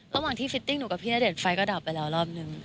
ระหว่างที่ฟิตติ้งหนูกับพี่ณเดชน์ไฟก็ดับไปแล้วรอบนึง